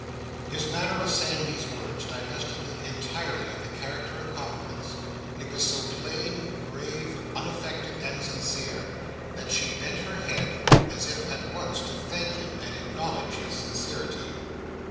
His manner of saying these words, divested them entirely of the character of compliments. It was so plain, grave, unaffected, and sincere, that she bent her head, as if at once to thank him, and acknowledge his sincerity.